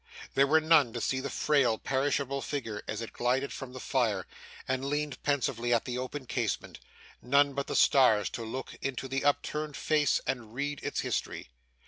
There were none to see the frail, perishable figure, as it glided from the fire and leaned pensively at the open casement; none but the stars, to look into the upturned face and read its history.